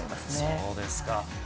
そうですか。